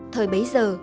thời bấy giờ